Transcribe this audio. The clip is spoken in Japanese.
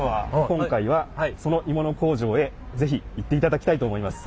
今回はその鋳物工場へ是非行っていただきたいと思います。